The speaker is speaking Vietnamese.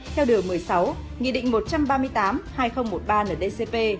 theo điều một mươi sáu nghị định một trăm ba mươi tám hai nghìn một mươi ba ở dcp